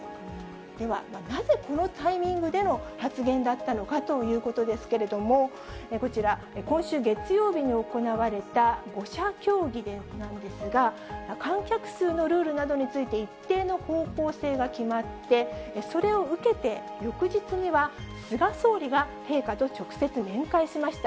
では、なぜこのタイミングでの発言だったのかということですけれども、こちら、今週月曜日に行われた５者協議なんですが、観客数のルールなどについて一定の方向性が決まって、それを受けて、翌日には菅総理が、陛下と直接面会しました。